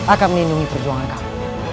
akan melindungi perjuangan kamu